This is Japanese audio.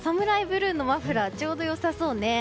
ブルーのマフラー、ちょうどよさそうね。